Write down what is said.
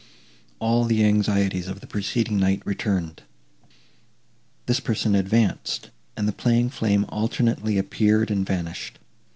All the anxieties of the preceding night returned. This person advanced, and the playing flame alternately appeared and vanished.